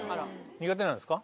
苦手なんですか？